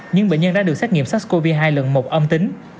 những bệnh nhân đã được xét nghiệm sars cov hai lần một âm tính